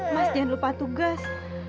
mas jangan lupa tugas